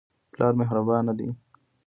پلار مهربانه دی.